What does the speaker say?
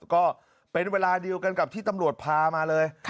ก็เป็นเวลาเดียวกันกับที่ตำรวจพามาเลย